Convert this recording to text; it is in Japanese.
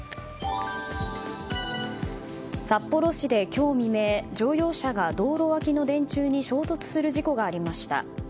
札幌市で今日未明乗用車が道路脇の電柱に衝突する事故がありました。